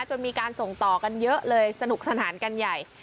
จนมีการส่งต่อกันเยอะเลยสนุกสนานกันใหญ่